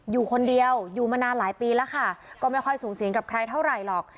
อยู่คนเดียวอยู่มานานหลายปีแล้วค่ะก็ไม่ค่อยสูงสิงกับใครเท่าไหร่หรอก